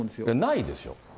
ないでしょ。